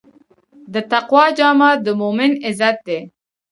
د تقوی جامه د مؤمن عزت دی.